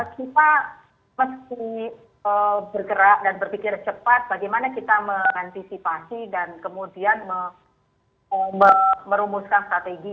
kita mesti bergerak dan berpikir cepat bagaimana kita mengantisipasi dan kemudian merumuskan strategi